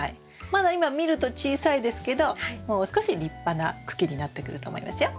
まだ今見ると小さいですけどもう少し立派な茎になってくると思いますよ。